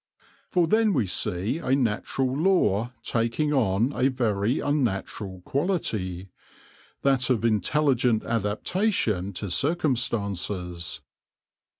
For then we see a natural law taking on a very unnatural quality — that of intelligent adaptation to circumstances.